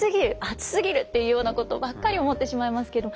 「暑すぎる」っていうようなことばっかり思ってしまいますけど。